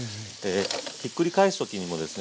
ひっくり返す時にもですね